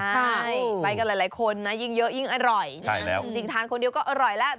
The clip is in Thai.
ใช่ไปกันหลายคนนะยิ่งเยอะยิ่งอร่อยจริงทานคนเดียวก็อร่อยแล้ว